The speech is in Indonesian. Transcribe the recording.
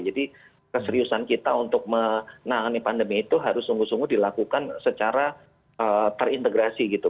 jadi keseriusan kita untuk menangani pandemi itu harus sungguh sungguh dilakukan secara terinspirasi